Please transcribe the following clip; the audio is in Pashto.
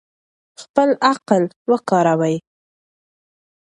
خپل عقل وکاروئ.